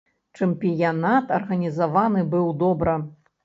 Чэмпіянат арганізаваны быў добра.